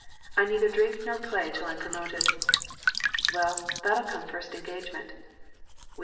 I neither drink nor play till I'm promoted." "Well, that'll come the first engagement." " We shall see."